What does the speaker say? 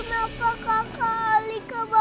siva kamu gak boleh nakal ya